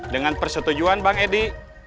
dengan persetujuan bang edi